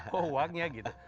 kok uangnya gitu